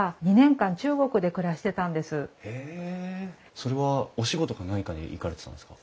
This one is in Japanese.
それはお仕事か何かで行かれてたんですか？